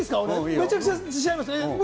めちゃくちゃ自信あります。